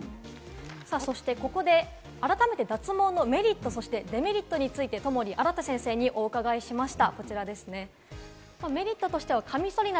ここで改めて脱毛のメリット、そしてデメリットについて友利新先生にお伺いしました。